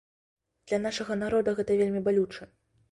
Для нашага народа гэта вельмі балюча.